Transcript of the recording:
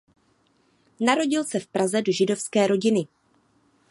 Narodil se v Praze do židovské rodiny.